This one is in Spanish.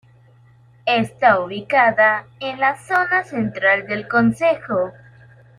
Está ubicada en la zona central del concejo.